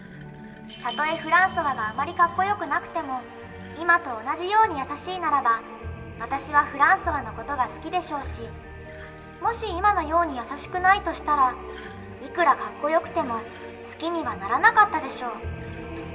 たとえフランソワがあまりカッコよくなくても今と同じように優しいならば私はフランソワの事が好きでしょうしもし今のように優しくないとしたらいくらカッコよくても好きにはならなかったでしょう。